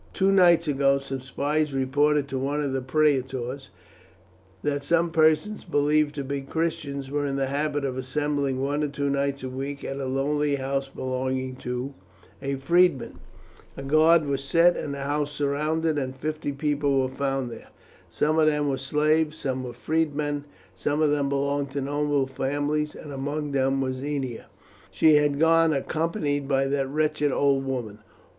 Two nights ago some spies reported to one of the praetors that some persons, believed to be Christians, were in the habit of assembling one or two nights a week at a lonely house belonging to a freedman. A guard was set and the house surrounded, and fifty people were found there. Some of them were slaves, some freedmen, some of them belonged to noble families, and among them was Ennia. "She had gone accompanied by that wretched old woman.